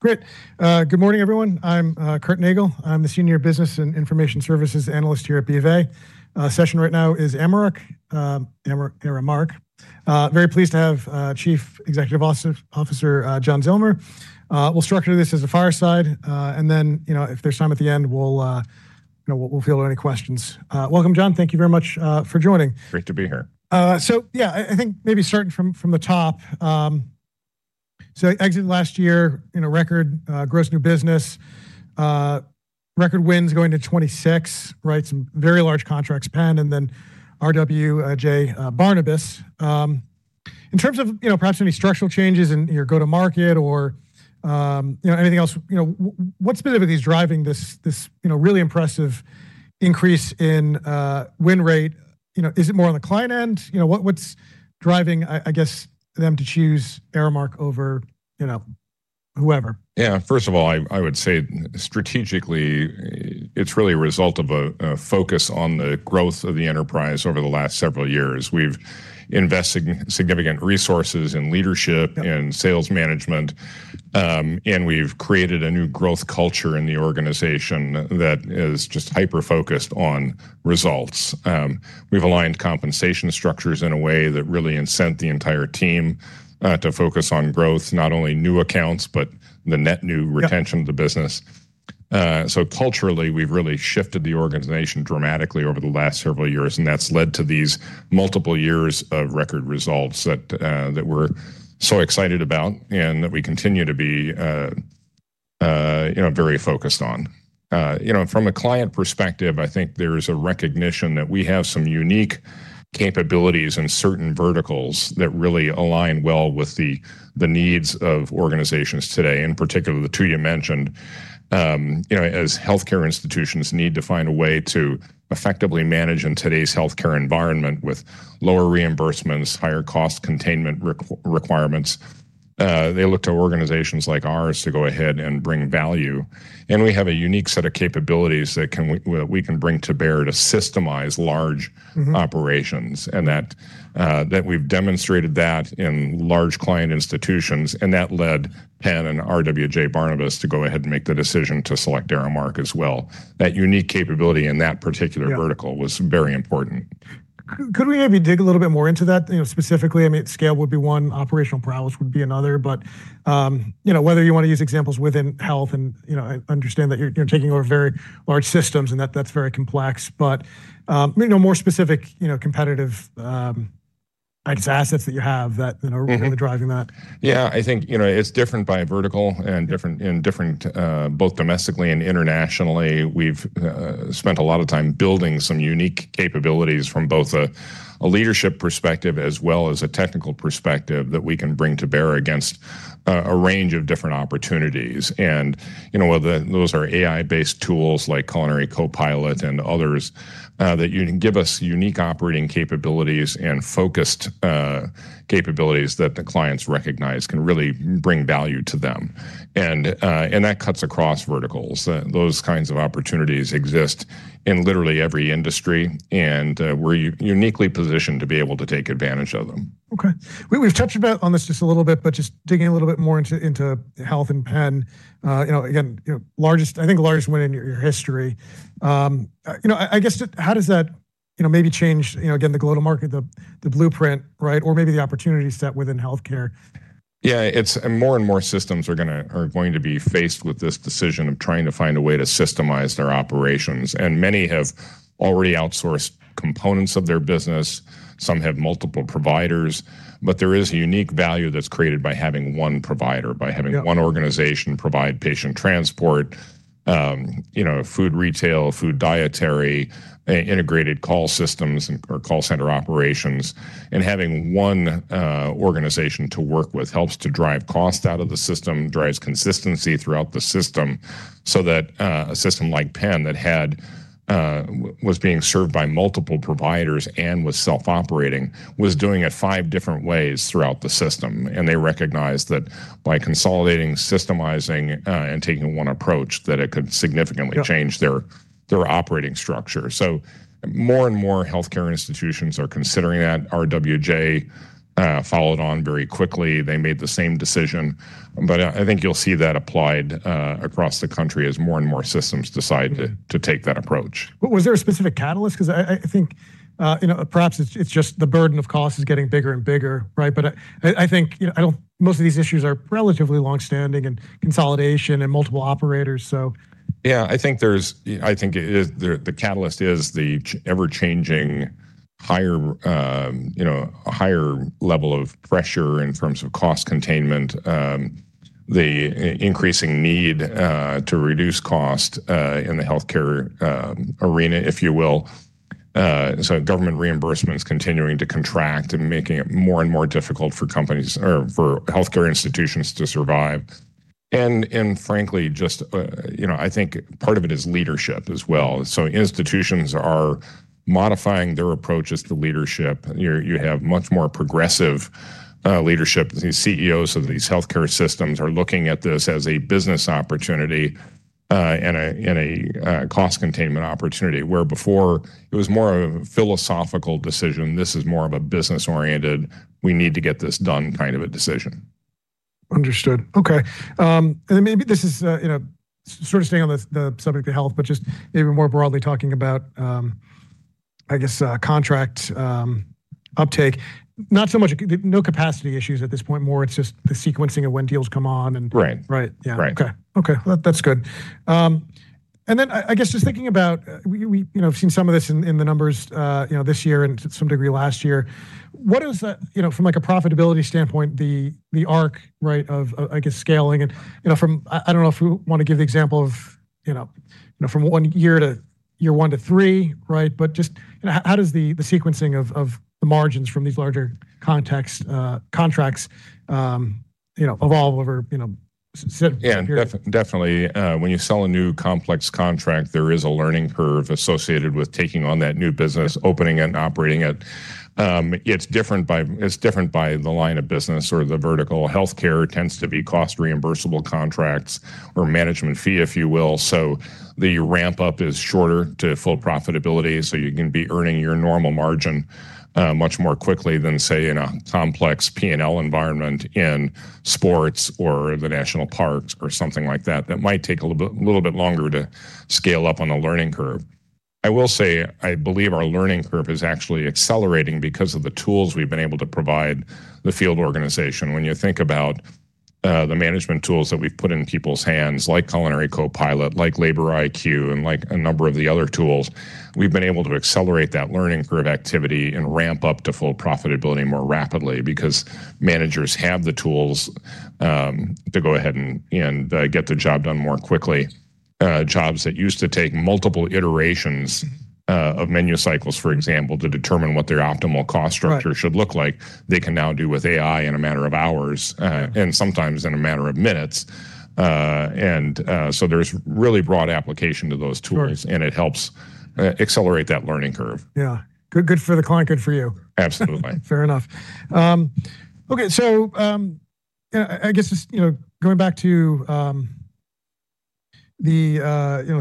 Great. Good morning, everyone. I'm Curtis Nagle. I'm the Senior Business and Information Services Analyst here at BofA. Session right now is Aramark. Very pleased to have Chief Executive Officer John Zillmer. We'll structure this as a fireside, and then, you know, if there's time at the end, we'll, you know, field any questions. Welcome, John. Thank you very much for joining. Great to be here. I think maybe starting from the top, so exiting last year in a record gross new business, record wins going to 2026, right? Some very large contracts, Penn, and then RWJBarnabas. In terms of, you know, perhaps any structural changes in your go-to-market or, you know, anything else, you know, what's been driving this, you know, really impressive increase in win rate? You know, is it more on the client end? You know, what's driving I guess them to choose Aramark over, you know, whoever? Yeah. First of all, I would say strategically, it's really a result of a focus on the growth of the enterprise over the last several years. We've invested significant resources and leadership. Yep. And sales management, and we've created a new growth culture in the organization that is just hyper-focused on results. We've aligned compensation structures in a way that really incent the entire team, to focus on growth, not only new accounts, but the net new. Yeah. Retention of the business. Culturally, we've really shifted the organization dramatically over the last several years, and that's led to these multiple years of record results that we're so excited about and that we continue to be, you know, very focused on. You know, from a client perspective, I think there is a recognition that we have some unique capabilities in certain verticals that really align well with the needs of organizations today, and particularly the two you mentioned. You know, as healthcare institutions need to find a way to effectively manage in today's healthcare environment with lower reimbursements, higher cost containment requirements, they look to organizations like ours to go ahead and bring value. We have a unique set of capabilities that we can bring to bear to systemize large– Mm-hmm. –operations, and that we've demonstrated that in large client institutions, and that led Penn and RWJBarnabas to go ahead and make the decision to select Aramark as well. That unique capability in that particular vertical was very important. Could we maybe dig a little bit more into that, you know, specifically? I mean, scale would be one, operational prowess would be another, but you know, whether you wanna use examples within health and, you know, I understand that you're taking over very large systems and that that's very complex. You know, more specific, you know, competitive, I'd say assets that you have that, you know, are really driving that. Yeah. I think, you know, it's different by vertical and in different both domestically and internationally. We've spent a lot of time building some unique capabilities from both a leadership perspective as well as a technical perspective that we can bring to bear against a range of different opportunities. You know, whether those are AI-based tools like Culinary Co-Pilot and others that give us unique operating capabilities and focused capabilities that the clients recognize can really bring value to them. That cuts across verticals. Those kinds of opportunities exist in literally every industry, and we're uniquely positioned to be able to take advantage of them. Okay. We've touched a bit on this just a little bit, but just digging a little bit more into health and Penn. You know, again, you know, largest, I think, win in your history. You know, I guess how does that, you know, maybe change, you know, again, the go-to-market, the blueprint, right? Or maybe the opportunity set within healthcare? Yeah, it's more and more systems are going to be faced with this decision of trying to find a way to systemize their operations. Many have already outsourced components of their business. Some have multiple providers. But there is a unique value that's created by having one provider, by having one organization provide patient transport, you know, food retail, food/dietary, integrated call systems or call center operations. Having one organization to work with helps to drive cost out of the system, drives consistency throughout the system, so that a system like Penn that had was being served by multiple providers and was self-operating, was doing it five different ways throughout the system. They recognized that by consolidating, systemizing, and taking one approach, that it could significantly change their operating structure. More and more healthcare institutions are considering that. RWJ followed on very quickly. They made the same decision. I think you'll see that applied across the country as more and more systems decide to take that approach. Was there a specific catalyst? 'Cause I think, you know, perhaps it's just the burden of cost is getting bigger and bigger, right? I think, you know, most of these issues are relatively long-standing and consolidation and multiple operators so. Yeah. I think it is the catalyst is the ever-changing higher, you know, higher level of pressure in terms of cost containment, the increasing need to reduce cost in the healthcare arena, if you will. Government reimbursements continuing to contract and making it more and more difficult for companies or for healthcare institutions to survive. Frankly, just, you know, I think part of it is leadership as well. Institutions are modifying their approaches to leadership. You have much more progressive leadership. These CEOs of these healthcare systems are looking at this as a business opportunity and a cost containment opportunity where before it was more of a philosophical decision. This is more of a business-oriented, we need to get this done kind of a decision. Understood. Okay. Maybe this is, you know, sort of staying on the subject of health, but just even more broadly talking about, I guess, contract uptake, no capacity issues at this point. More, it's just the sequencing of when deals come on and... Right. Right. Yeah. Right. Okay. That's good. I guess just thinking about, we you know have seen some of this in the numbers, you know, this year and to some degree last year. What is the, you know, from like a profitability standpoint, the arc, right, of I guess scaling and, you know, I don't know if you want to give the example of, you know, from year one to year three, right? Just how does the sequencing of the margins from these larger contracts, you know, evolve over, you know, certain period? Yeah. Definitely. When you sell a new complex contract, there is a learning curve associated with taking on that new business, opening and operating it. It's different by the line of business or the vertical. Healthcare tends to be cost reimbursable contracts or management fee, if you will. The ramp-up is shorter to full profitability, so you can be earning your normal margin much more quickly than, say, in a complex P&L environment in sports or the national parks or something like that. That might take a little bit longer to scale up on the learning curve. I will say, I believe our learning curve is actually accelerating because of the tools we've been able to provide the field organization. When you think about the management tools that we've put in people's hands, like Culinary Co-Pilot, like Labor IQ, and like a number of the other tools, we've been able to accelerate that learning curve activity and ramp up to full profitability more rapidly because managers have the tools to go ahead and get the job done more quickly. Jobs that used to take multiple iterations of menu cycles, for example, to determine what their optimal cost structure should look like, they can now do with AI in a matter of hours, and sometimes in a matter of minutes. There's really broad application to those tools. Sure. It helps accelerate that learning curve. Yeah. Good, good for the client, good for you. Absolutely. Fair enough. Okay. Yeah, I guess just, you know, going back to, you know,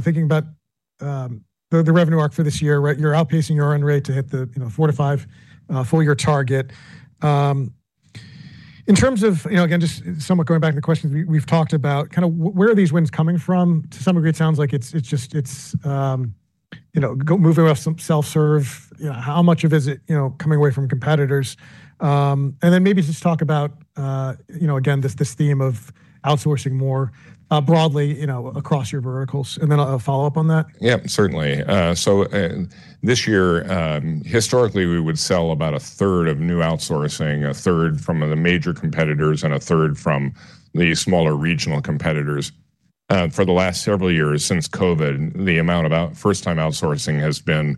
thinking about the revenue arc for this year, right? You're outpacing your earn rate to hit the, you know, 4%-5% full year target. In terms of, you know, again, just somewhat going back to the questions we've talked about, kind of where are these wins coming from? To some degree, it sounds like it's just moving off some self-serve, you know, how much of it is, you know, coming away from competitors? Then maybe just talk about, you know, again, this theme of outsourcing more broadly, you know, across your verticals, and then I'll follow up on that. Yeah, certainly. This year, historically, we would sell about 1/3 of new outsourcing, 1/3 from the major competitors, and 1/3 from the smaller regional competitors. For the last several years since COVID, the amount of first time outsourcing has been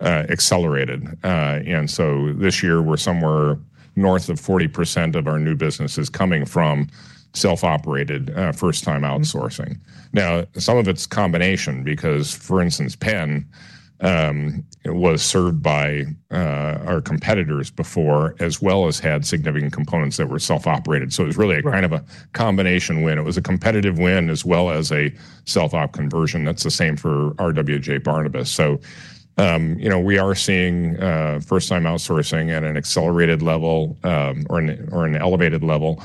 accelerated. This year, we're somewhere north of 40% of our new business is coming from self-operated, first-time outsourcing. Now, some of it's combination because, for instance, Penn was served by our competitors before, as well as had significant components that were self-operated. It was really a kind of a combination win. It was a competitive win as well as a self-op conversion that's the same for RWJBarnabas Health. You know, we are seeing first-time outsourcing at an accelerated level, or an elevated level,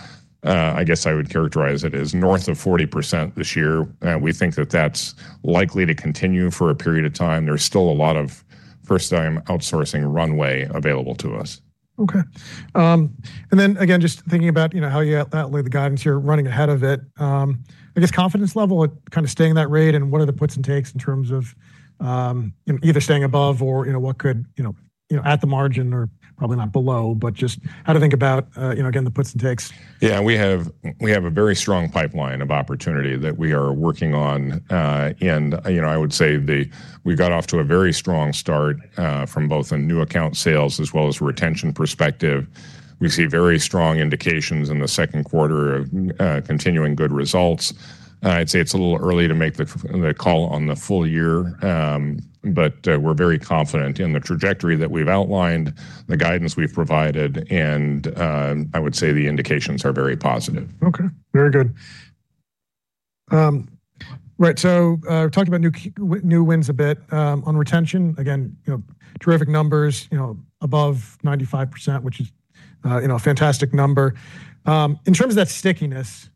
I guess I would characterize it as north of 40% this year. We think that that's likely to continue for a period of time. There's still a lot of first-time outsourcing runway available to us. Just thinking about, you know, how you lay out the guidance you're running ahead of it. I guess confidence level at kind of staying that rate and what are the puts and takes in terms of either staying above or, you know, what could, you know, at the margin or probably not below, but just how to think about again the puts and takes. Yeah. We have a very strong pipeline of opportunity that we are working on. You know, I would say we got off to a very strong start from both a new account sales as well as retention perspective. We see very strong indications in the second quarter of continuing good results. I'd say it's a little early to make the call on the full year, but we're very confident in the trajectory that we've outlined, the guidance we've provided, and I would say the indications are very positive. Okay. Very good. Right. Talking about new wins a bit, on retention, again, you know, terrific numbers, you know, above 95%, which is, you know, a fantastic number. In terms of that stickiness,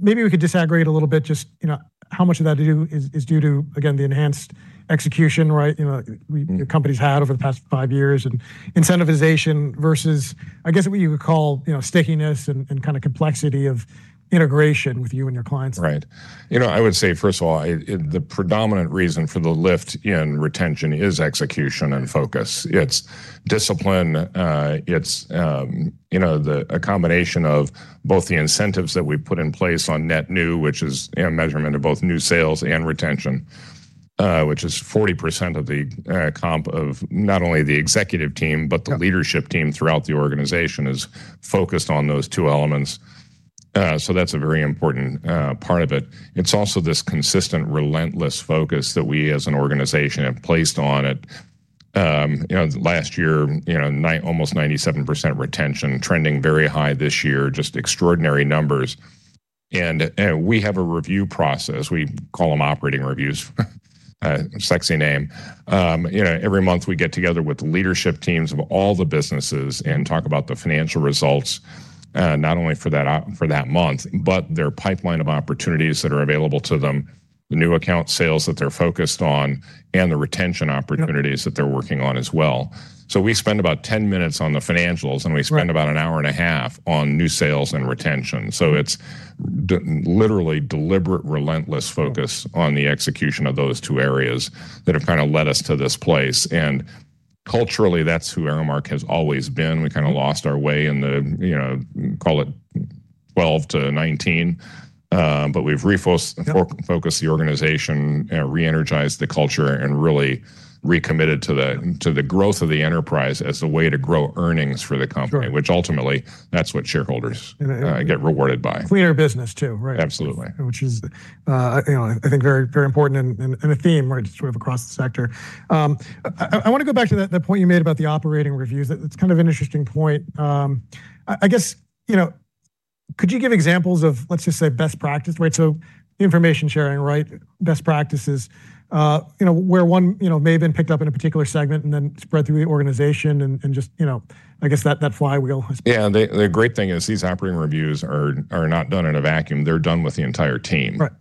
maybe we could disaggregate a little bit just, you know, how much of that is due to, again, the enhanced execution, right? You know, your company's had over the past five years and incentivization versus, I guess, what you would call, you know, stickiness and kind of complexity of integration with you and your clients. Right. You know, I would say, first of all, it the predominant reason for the lift in retention is execution and focus. It's discipline. It's you know, a combination of both the incentives that we put in place on net new, which is a measurement of both new sales and retention, which is 40% of the comp of not only the executive team but the leadership team throughout the organization is focused on those two elements. That's a very important part of it. It's also this consistent, relentless focus that we as an organization have placed on it. You know, last year, you know, almost 97% retention, trending very high this year, just extraordinary numbers. We have a review process. We call them operating reviews. A sexy name. You know, every month we get together with leadership teams of all the businesses and talk about the financial results, not only for that month, but their pipeline of opportunities that are available to them, the new account sales that they're focused on, and the retention opportunities that they're working on as well. We spend about 10 minutes on the financials. Right. We spend about an hour and a half on new sales and retention. It's literally deliberate, relentless focus on the execution of those two areas that have kinda led us to this place. Culturally, that's who Aramark has always been. We kinda lost our way in the, you know, call it 2012-2019, but we've focused the organization, re-energized the culture, and really recommitted to the growth of the enterprise as the way to grow earnings for the company. Sure. Which ultimately, that's what shareholders get rewarded by. Cleaner business too, right? Absolutely. Which is, you know, I think very, very important and a theme, right, sort of across the sector. I wanna go back to that point you made about the operating reviews. That's kind of an interesting point. I guess, you know, could you give examples of, let's just say, best practice, right? Information sharing, right? Best practices, you know, where one, you know, may have been picked up in a particular segment and then spread through the organization and just, you know, I guess that flywheel has. Yeah. The great thing is these operating reviews are not done in a vacuum. They're done with the entire team. Right.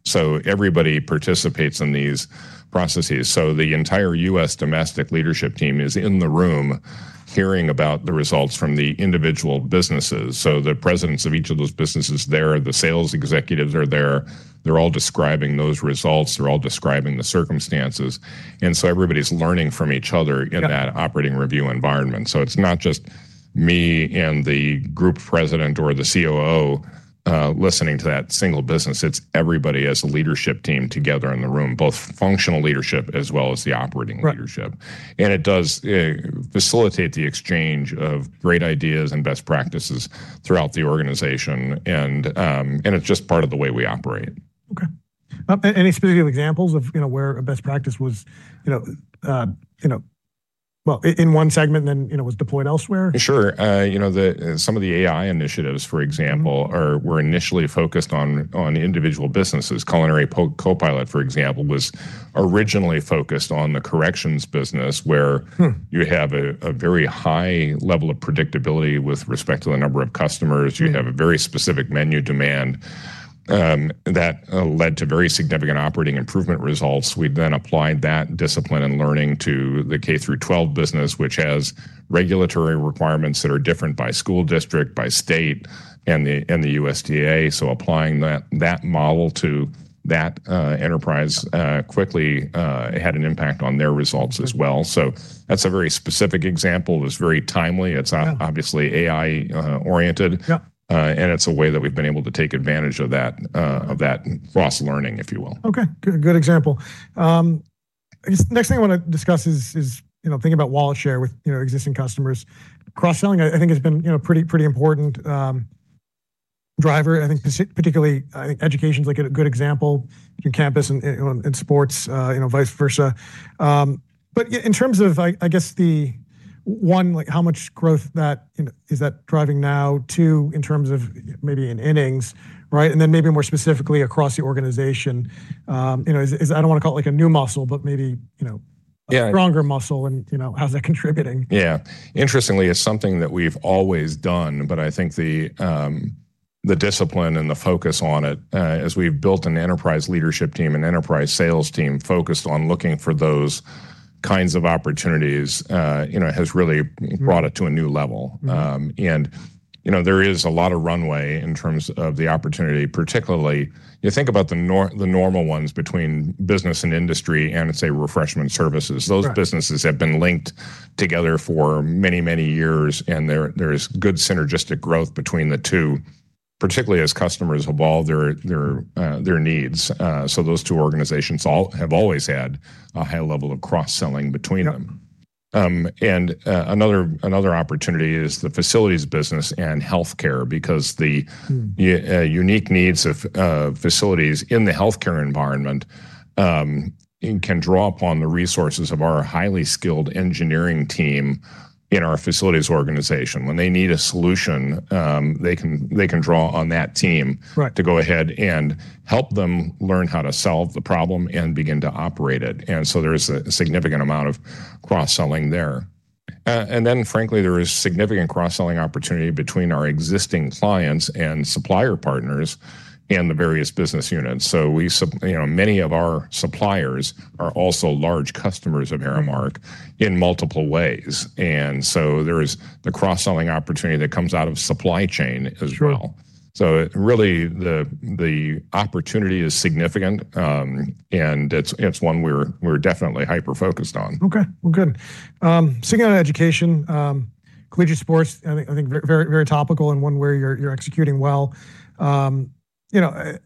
Everybody participates in these processes. The entire US domestic leadership team is in the room hearing about the results from the individual businesses. The presidents of each of those businesses there, the sales executives are there. They're all describing those results. They're all describing the circumstances. Everybody's learning from each other. Yeah. In that operating review environment. It's not just me and the group president or the COO listening to that single business. It's everybody as a leadership team together in the room, both functional leadership as well as the operating leadership. Right. It does facilitate the exchange of great ideas and best practices throughout the organization. It's just part of the way we operate. Okay. Any specific examples of, you know, where a best practice was, you know, in one segment then, you know, was deployed elsewhere? Sure. You know, some of the AI initiatives, for example, were initially focused on individual businesses. Culinary Co-Pilot, for example, was originally focused on the corrections business where you have a very high level of predictability with respect to the number of customers. Hmm. You have a very specific menu demand that led to very significant operating improvement results. We then applied that discipline and learning to the K-12 business, which has regulatory requirements that are different by school district, by state, and the USDA. Applying that model to that enterprise quickly had an impact on their results as well. Hmm. That's a very specific example. It was very timely. Yeah It's obviously AI, oriented. Yeah. It's a way that we've been able to take advantage of that cross-learning, if you will. Okay. Good example. I guess next thing I wanna discuss is, you know, thinking about wallet share with, you know, existing customers. Cross-selling, I think has been, you know, pretty important driver. I think particularly, I think education's like a good example. Campus and sports, you know, vice versa. But yeah, in terms of, I guess the one, like how much growth that, you know, is that driving now? Two, in terms of maybe in innings, right? And then maybe more specifically across the organization, you know, I don't wanna call it like a new muscle, but maybe, you know. Yeah A stronger muscle and, you know, how's that contributing? Yeah. Interestingly, it's something that we've always done, but I think the discipline and the focus on it, as we've built an enterprise leadership team and enterprise sales team focused on looking for those kinds of opportunities, you know, has really brought it to a new level. Hmm. You know, there is a lot of runway in terms of the opportunity, particularly you think about the normal ones between business and industry and, say, refreshment services. Right. Those businesses have been linked together for many, many years, and there is good synergistic growth between the two, particularly as customers evolve their, their needs. Those two organizations all have always had a high level of cross-selling between them. Yep. Another opportunity is the facilities business and healthcare because the unique needs of facilities in the healthcare environment can draw upon the resources of our highly skilled engineering team in our facilities organization. When they need a solution, they can draw on that team to go ahead and help them learn how to solve the problem and begin to operate it. There is a significant amount of cross-selling there. Frankly, there is significant cross-selling opportunity between our existing clients and supplier partners in the various business units. You know, many of our suppliers are also large customers of Aramark in multiple ways. There is the cross-selling opportunity that comes out of supply chain as well. Sure. Really, the opportunity is significant, and it's one we're definitely hyper-focused on. Okay. Well, good. Speaking of education, collegiate sports, I think very, very topical and one where you're executing well. You know,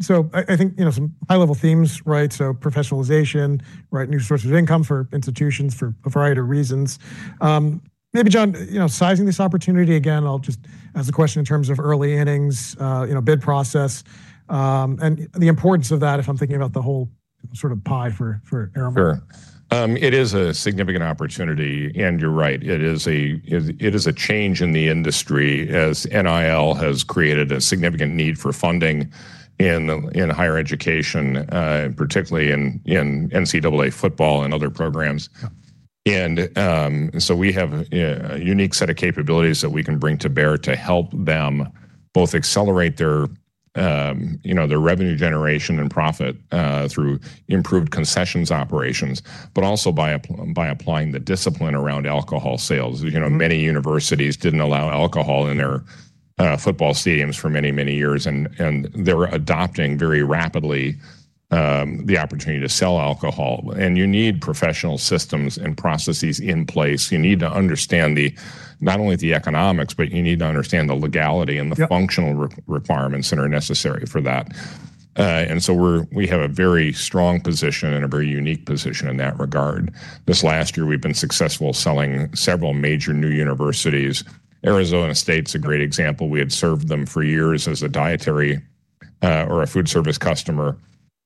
so I think, you know, some high-level themes, right? Professionalization, right, new sources of income for institutions for a variety of reasons. Maybe John, you know, sizing this opportunity again, I'll just ask the question in terms of early innings, you know, bid process, and the importance of that if I'm thinking about the whole sort of pie for Aramark. Sure. It is a significant opportunity, and you're right, it is a change in the industry as NIL has created a significant need for funding in higher education, particularly in NCAA football and other programs. Yeah. We have a unique set of capabilities that we can bring to bear to help them both accelerate their you know their revenue generation and profit through improved concessions operations, but also by applying the discipline around alcohol sales. You know, many universities didn't allow alcohol in their football stadiums for many, many years and they're adopting very rapidly the opportunity to sell alcohol. You need professional systems and processes in place. You need to understand not only the economics, but you need to understand the legality- Yep the functional requirements that are necessary for that. We have a very strong position and a very unique position in that regard. This last year, we've been successful selling several major new universities. Arizona State's a great example. We had served them for years as a dietary or a food service customer.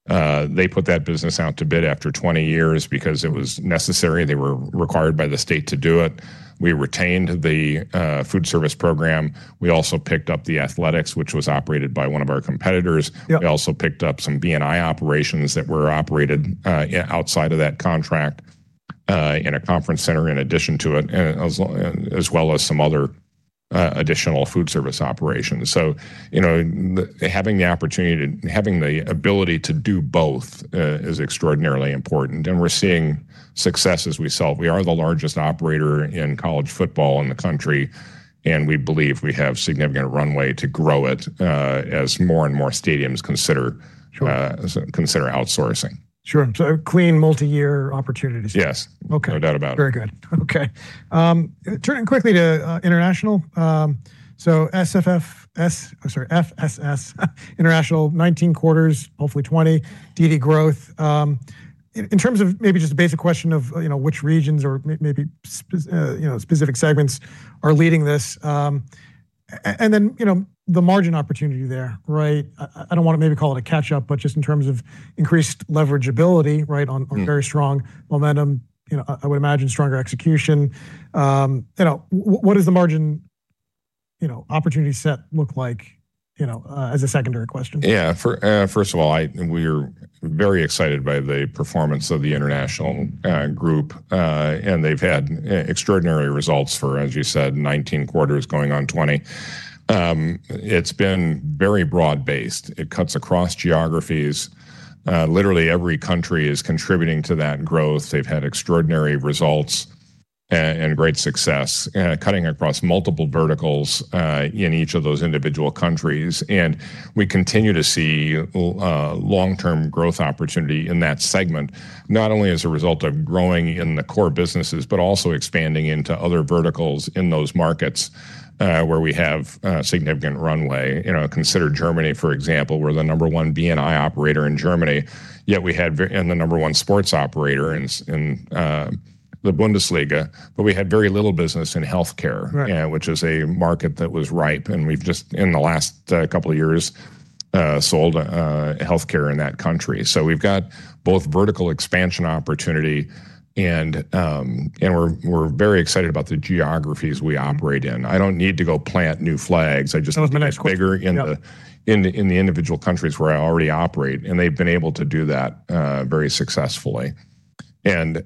They put that business out to bid after 20 years because it was necessary. They were required by the state to do it. We retained the food service program. We also picked up the athletics, which was operated by one of our competitors. Yep. We also picked up some B&I operations that were operated outside of that contract in a conference center in addition to it, as well as some other additional food service operations. You know, having the ability to do both is extraordinarily important, and we're seeing success as we sell. We are the largest operator in college football in the country, and we believe we have significant runway to grow it, as more and more stadiums consider, consider outsourcing. Sure. Clean multi-year opportunities. Yes. Okay. No doubt about it. Very good. Okay. Turning quickly to international. So FSS International, 19 quarters, hopefully 20 DD growth. In terms of maybe just a basic question of, you know, which regions or maybe specific segments are leading this, and then, you know, the margin opportunity there, right? I don't wanna maybe call it a catch-up, but just in terms of increased leverage ability, right? Mm-hmm. On very strong momentum. You know, I would imagine stronger execution. You know, what does the margin opportunity set look like, you know, as a secondary question? Yeah. First of all, we're very excited by the performance of the international group. They've had extraordinary results for, as you said, 19 quarters going on 20. It's been very broad-based. It cuts across geographies. Literally every country is contributing to that growth. They've had extraordinary results and great success cutting across multiple verticals in each of those individual countries. We continue to see long-term growth opportunity in that segment, not only as a result of growing in the core businesses, but also expanding into other verticals in those markets where we have significant runway. You know, consider Germany, for example. We're the number one B&I operator in Germany and the number one sports operator in the Bundesliga, but we had very little business in healthcare. Right Which is a market that was ripe, and we've just, in the last couple of years, sold healthcare in that country. We've got both vertical expansion opportunity and we're very excited about the geographies we operate in. I don't need to go plant new flags. I just– That was my next question. Yep. Need to be bigger in the individual countries where I already operate, and they've been able to do that very successfully. You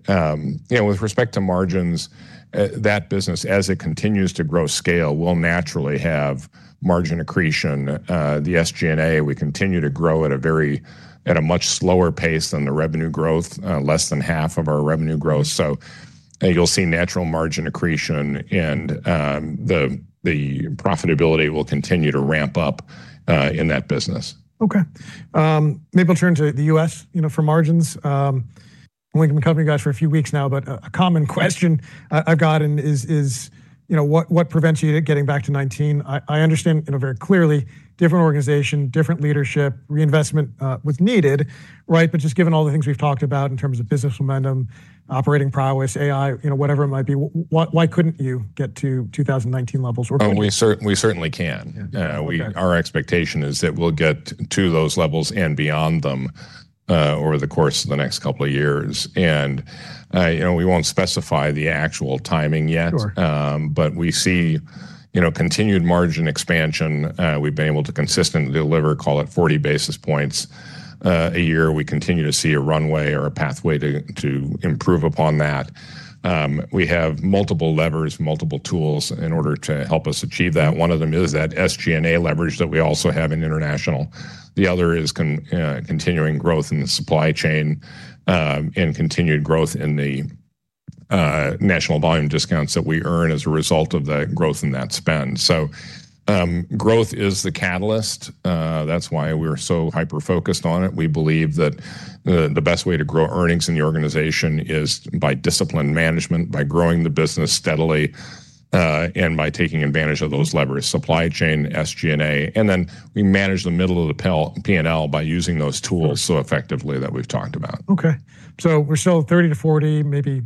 know, with respect to margins, that business, as it continues to grow in scale, will naturally have margin accretion. The SG&A, we continue to grow at a much slower pace than the revenue growth, less than half of our revenue growth. You'll see natural margin accretion and the profitability will continue to ramp up in that business. Okay. Maybe I'll turn to the U.S., you know, for margins. We've been covering you guys for a few weeks now, but a common question I've gotten is, you know, what prevents you getting back to 19? I understand, you know, very clearly different organization, different leadership, reinvestment was needed, right? Just given all the things we've talked about in terms of business momentum, operating prowess, AI, you know, whatever it might be, why couldn't you get to 2019 levels or better? Oh, we certainly can. Yeah. Okay. Our expectation is that we'll get to those levels and beyond them, over the course of the next couple of years. You know, we won't specify the actual timing yet. Sure. We see, you know, continued margin expansion. We've been able to consistently deliver, call it 40 basis points a year. We continue to see a runway or a pathway to improve upon that. We have multiple levers, multiple tools in order to help us achieve that. One of them is that SG&A leverage that we also have in international. The other is continuing growth in the supply chain, and continued growth in the national volume discounts that we earn as a result of the growth in that spend. Growth is the catalyst. That's why we're so hyper-focused on it. We believe that the best way to grow earnings in the organization is by disciplined management, by growing the business steadily, and by taking advantage of those levers, supply chain, SG&A, and then we manage the middle of the P&L by using those tools so effectively that we've talked about. Okay. We're still 30-40, maybe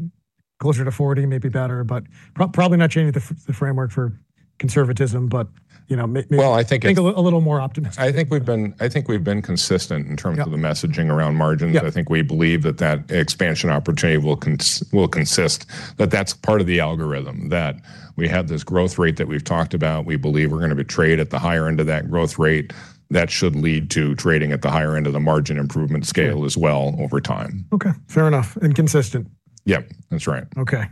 closer to 40, maybe better, but probably not changing the framework for conservatism, but, you know, maybe. Well, I think it's. Think a little more optimistic. I think we've been consistent in terms of the messaging around margins. Yeah. I think we believe that expansion opportunity will consist, but that's part of the algorithm, that we have this growth rate that we've talked about. We believe we're gonna be traded at the higher end of that growth rate. That should lead to trading at the higher end of the margin improvement scale as well over time. Okay. Fair enough, and consistent. Yep. That's right. Okay.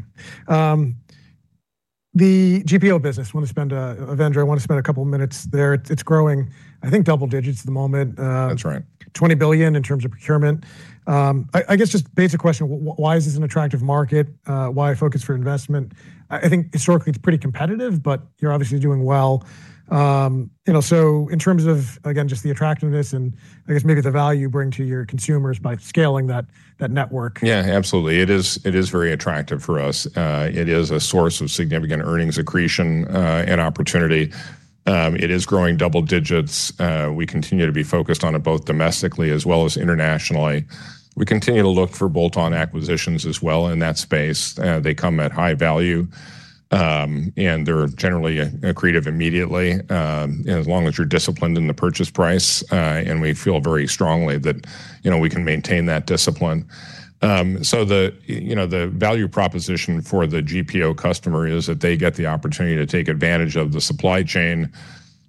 The GPO business, wanna spend, Avendra, I wanna spend a couple minutes there. It's growing, I think, double digits at the moment. That's right. $20 billion in terms of procurement. I guess just basic question, why is this an attractive market? Why a focus for investment? I think historically it's pretty competitive, but you're obviously doing well. You know, in terms of, again, just the attractiveness and I guess maybe the value you bring to your consumers by scaling that network. Yeah, absolutely. It is very attractive for us. It is a source of significant earnings accretion, and opportunity. It is growing double digits. We continue to be focused on it both domestically as well as internationally. We continue to look for bolt-on acquisitions as well in that space. They come at high value, and they're generally accretive immediately, as long as you're disciplined in the purchase price, and we feel very strongly that, you know, we can maintain that discipline. The value proposition for the GPO customer is that they get the opportunity to take advantage of the supply chain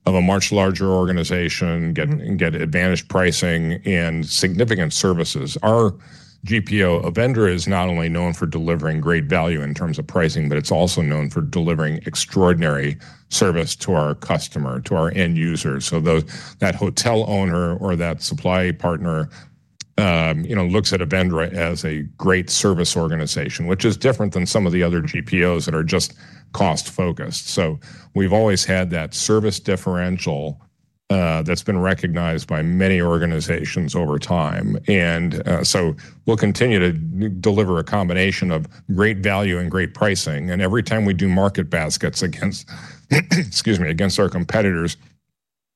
of a much larger organization. Mm-hmm Get and get advantaged pricing and significant services. Our GPO, Avendra, is not only known for delivering great value in terms of pricing, but it's also known for delivering extraordinary service to our customer, to our end user. The hotel owner or that supply partner, you know, looks at Avendra as a great service organization, which is different than some of the other GPOs that are just cost-focused. We've always had that service differential that's been recognized by many organizations over time. We'll continue to deliver a combination of great value and great pricing. Every time we do market baskets against, excuse me, against our competitors,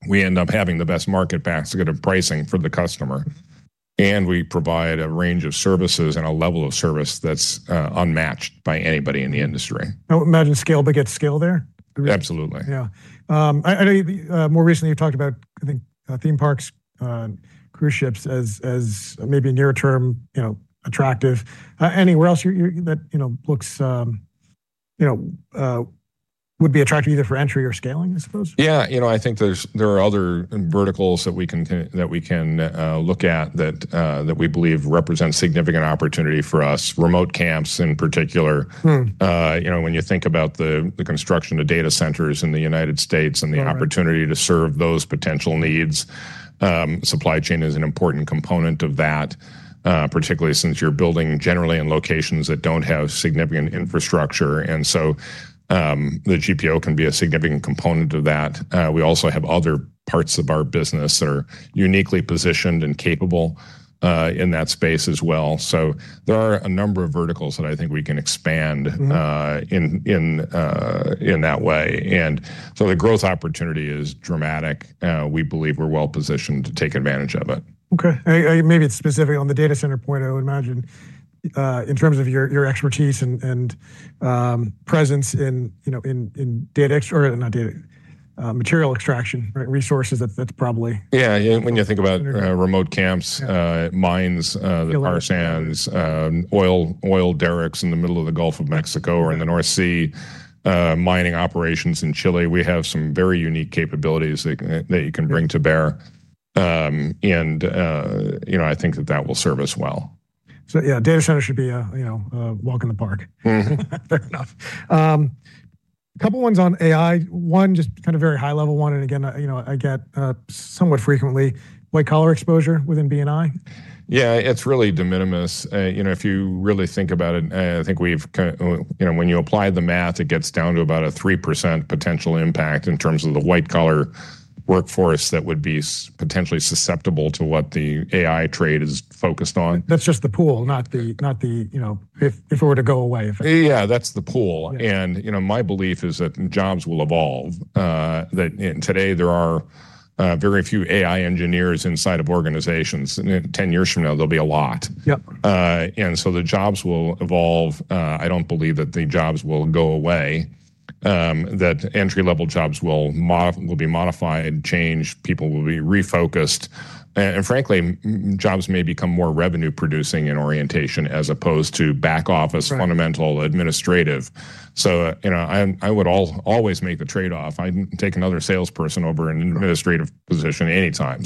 we end up having the best market basket of pricing for the customer. Mm-hmm. And we provide a range of services and a level of service that's unmatched by anybody in the industry. I would imagine scale begets scale there? Absolutely. Yeah. I know more recently you talked about, I think, theme parks, cruise ships as maybe near-term, you know, attractive. Anywhere else that you know looks, you know, would be attractive either for entry or scaling, I suppose? Yeah. You know, I think there are other verticals that we can look at that we believe represent significant opportunity for us, remote camps in particular. Hmm. You know, when you think about the construction of data centers in the United States. Right The opportunity to serve those potential needs, supply chain is an important component of that, particularly since you're building generally in locations that don't have significant infrastructure. The GPO can be a significant component of that. We also have other parts of our business that are uniquely positioned and capable, in that space as well. There are a number of verticals that I think we can expand. Mm-hmm In that way. The growth opportunity is dramatic. We believe we're well positioned to take advantage of it. Okay. Maybe it's specific on the data center point, I would imagine, in terms of your expertise and presence in, you know, material extraction, right, resources, that's probably– Yeah, yeah. When you think about remote camps, mines, tar sands, oil derricks in the middle of the Gulf of Mexico or in the North Sea, mining operations in Chile, we have some very unique capabilities that you can bring to bear. You know, I think that will serve us well. Yeah, data centers should be a, you know, walk in the park. Mm-hmm. Fair enough. A couple ones on AI. One, just kind of very high level one, and again, you know, I get somewhat frequently, white collar exposure within B&I. Yeah. It's really de minimis. You know, if you really think about it, I think we've kind of, you know, when you apply the math, it gets down to about a 3% potential impact in terms of the white collar workforce that would be potentially susceptible to what the AI trade is focused on. That's just the pool, not the, you know, if it were to go away, if it– Yeah, that's the pool. Yeah. You know, my belief is that jobs will evolve, that today there are very few AI engineers inside of organizations. 10 years from now, there'll be a lot. Yep. The jobs will evolve. I don't believe that the jobs will go away, that entry-level jobs will be modified, changed, people will be refocused. Frankly, jobs may become more revenue producing in orientation as opposed to back office, fundamental administrative. You know, I would always make the trade-off. I'd take another salesperson over an administrative position anytime.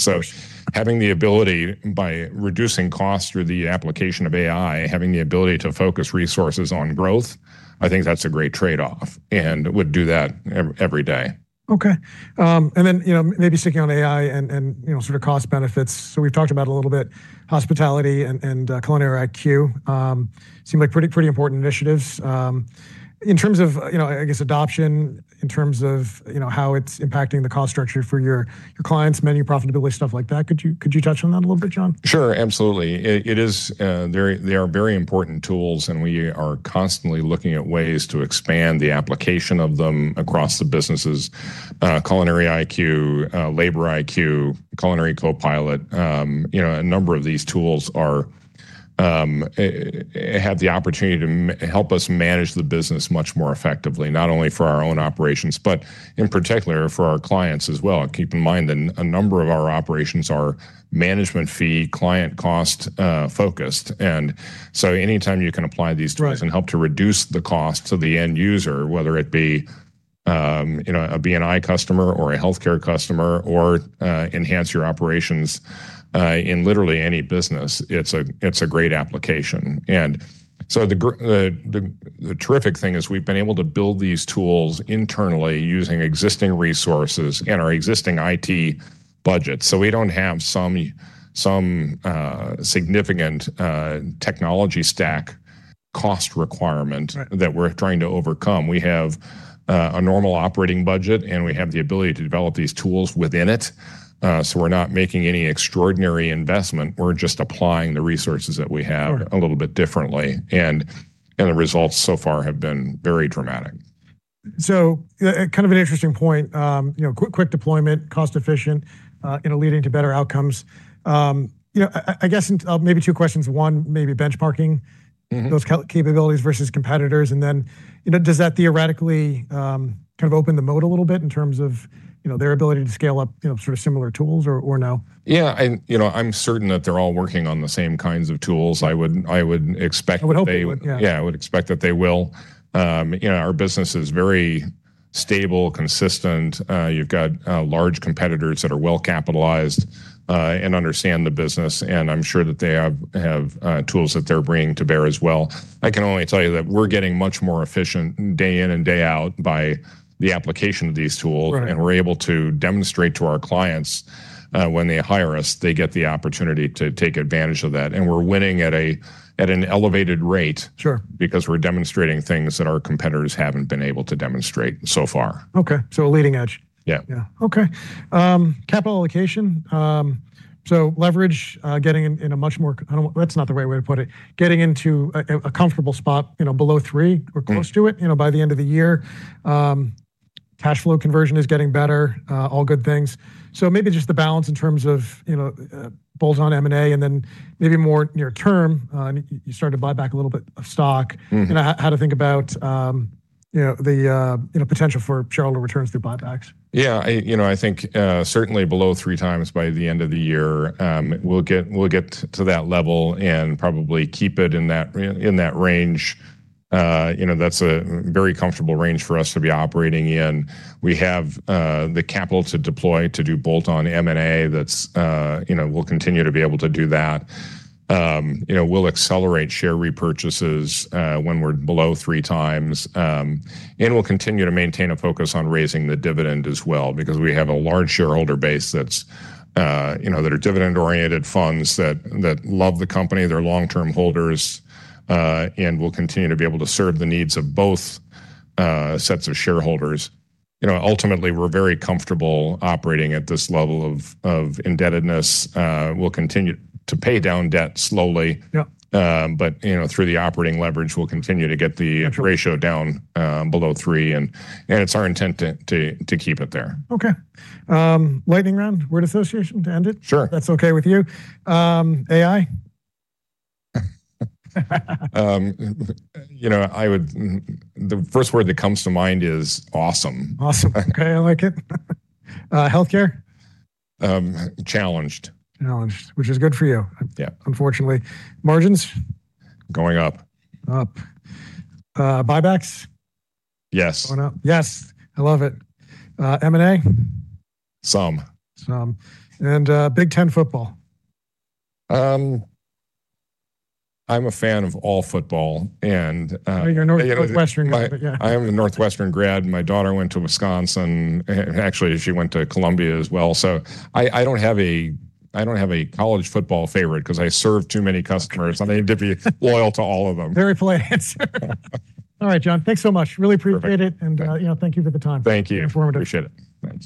Having the ability by reducing costs through the application of AI, having the ability to focus resources on growth, I think that's a great trade-off, and would do that every day. Okay. You know, maybe sticking on AI and you know, sort of cost benefits. We've talked about a little bit hospitality and Culinary IQ seem like pretty important initiatives. In terms of, you know, I guess adoption, in terms of, you know, how it's impacting the cost structure for your clients, menu profitability, stuff like that, could you touch on that a little bit, John? Sure. Absolutely. They are very important tools, and we are constantly looking at ways to expand the application of them across the businesses. Culinary IQ, Labor IQ, Culinary Co-Pilot, you know, a number of these tools have the opportunity to help us manage the business much more effectively, not only for our own operations, but in particular for our clients as well. Keep in mind that a number of our operations are management fee, client cost focused. Anytime you can apply these tools and help to reduce the cost to the end user, whether it be a, you know, a B&I customer or a healthcare customer or enhance your operations in literally any business. It's a great application. The terrific thing is we've been able to build these tools internally using existing resources and our existing IT budget. We don't have some significant technology stack cost requirement that we're trying to overcome. We have a normal operating budget, and we have the ability to develop these tools within it. We're not making any extraordinary investment. We're just applying the resources that we have a little bit differently. The results so far have been very dramatic. Kind of an interesting point, you know, quick deployment, cost efficient, you know, leading to better outcomes. You know, I guess, maybe two questions, one maybe benchmarking those capabilities versus competitors, and then, you know, does that theoretically kind of open the door a little bit in terms of, you know, their ability to scale up, you know, sort of similar tools or no? Yeah. You know, I'm certain that they're all working on the same kinds of tools. I would expect that they– I would hope they would, yeah. Yeah, I would expect that they will. You know, our business is very stable, consistent. You've got large competitors that are well capitalized and understand the business, and I'm sure that they have tools that they're bringing to bear as well. I can only tell you that we're getting much more efficient day in and day out by the application of these tools. Right. We're able to demonstrate to our clients, when they hire us, they get the opportunity to take advantage of that, and we're winning at an elevated rate. Sure Because we're demonstrating things that our competitors haven't been able to demonstrate so far. Okay, so a leading edge. Yeah. Yeah. Okay. Capital allocation. Leverage, getting into a comfortable spot, you know, below 3 or close to it, you know, by the end of the year. Cash flow conversion is getting better, all good things. Maybe just the balance in terms of, you know, bolt-on M&A, and then maybe more near term, I mean, you start to buy back a little bit of stock. Mm You know, how to think about, you know, the, you know, potential for shareholder returns through buybacks? Yeah, you know, I think certainly below 3x by the end of the year, we'll get to that level and probably keep it in that range. You know, that's a very comfortable range for us to be operating in. We have the capital to deploy to do bolt-on M&A. You know, we'll continue to be able to do that. You know, we'll accelerate share repurchases when we're below 3x. We'll continue to maintain a focus on raising the dividend as well because we have a large shareholder base that's you know that are dividend-oriented funds that love the company, they're long-term holders, and we'll continue to be able to serve the needs of both sets of shareholders. You know, ultimately, we're very comfortable operating at this level of indebtedness. We'll continue to pay down debt slowly. Yeah. You know, through the operating leverage, we'll continue to get the ratio down below 3 and it's our intent to keep it there. Okay. Lightning round, word association to end it? Sure. If that's okay with you. AI? The first word that comes to mind is awesome. Awesome. Okay, I like it. Healthcare? Challenged. Challenged, which is good for you. Yeah Unfortunately. Margins? Going up. Buybacks? Yes. Going up. Yes. I love it. M&A? Some. Some. Big Ten football. I'm a fan of all football and. Oh, you're a Northwestern grad, but yeah. I am a Northwestern grad, and my daughter went to Wisconsin, and actually she went to Columbia as well. I don't have a college football favorite 'cause I serve too many customers. I need to be loyal to all of them. Very polite answer. All right, John, thanks so much. Really appreciate it. Perfect. Yeah. You know, thank you for the time. Thank you. Very informative. Appreciate it. Yeah.